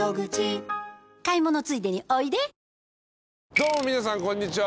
どうも皆さんこんにちは。